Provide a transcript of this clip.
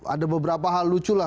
ada beberapa hal lucu lah